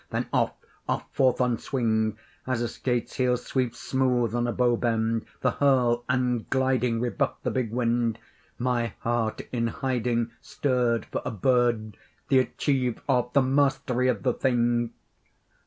then off, off forth on swing, As a skate's heel sweeps smooth on a bow bend: the hurl and gliding Rebuffed the big wind. My heart in hiding Stirred for a bird, the achieve of, the mastery of the thing!